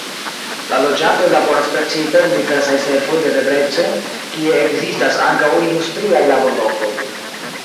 La loĝantoj laboras precipe en diversaj servoj de Debrecen, kie ekzistas ankaŭ industriaj laborlokoj.